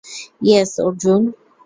Yes, Arjun!